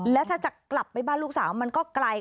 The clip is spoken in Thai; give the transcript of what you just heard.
แล้วถ้าจะกลับไปบ้านลูกสาวมันก็ไกล